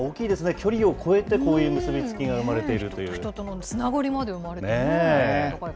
距離を超えて、こういう結び付きが生まれているという。